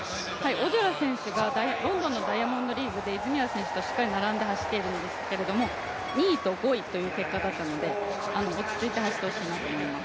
オジョラ選手がロンドンのダイヤモンドリーグで泉谷選手と肩を並べて走っているんですけれども２位と５位という結果だったので、落ち着いて走ってほしいと思います。